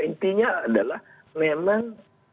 intinya adalah memang